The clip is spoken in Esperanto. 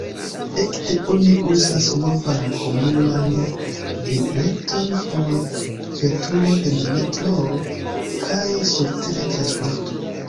Ekde oni uzas novan komunan bileton por veturoj en metroo kaj surtera transporto.